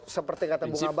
seperti kata bung abang tadi